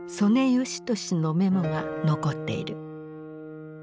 嘉年のメモが残っている。